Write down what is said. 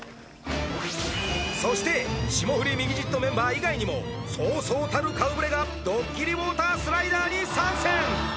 そして「霜降りミキＸＩＴ」メンバー以外にもそうそうたる顔ぶれがドッキリウォータースライダーに参戦